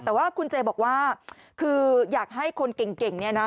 แต่ว่าคุณเจบอกว่าคืออยากให้คนเก่งเนี่ยนะ